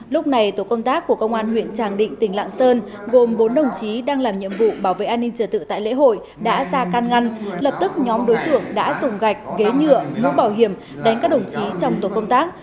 lúc này tổ công tác của công an huyện tràng định tỉnh lạng sơn gồm bốn đồng chí đang làm nhiệm vụ bảo vệ an ninh trở tự tại lễ hội đã ra can ngăn lập tức nhóm đối tượng đã dùng gạch ghế nhựa mũ bảo hiểm đánh các đồng chí trong tổ công tác